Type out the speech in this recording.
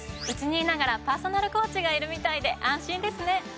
うちにいながらパーソナルコーチがいるみたいで安心ですね。